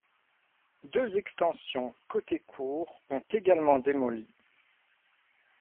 Deux extensions côté cour ont également démolies.